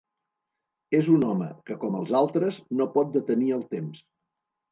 És un home, que com els altres, no pot detenir el temps.